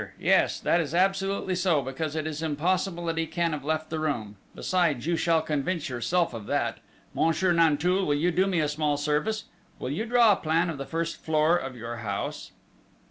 Yes! That is absolutely so, because it is impossible that he can have left the room! Besides, you shall convince yourself of that!... Monsieur Nanteuil, will you do me a small service? Will you draw a plan of the first floor of your house?"